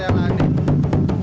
belum mentokan ya